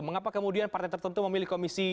mengapa kemudian partai tertentu memilih komisi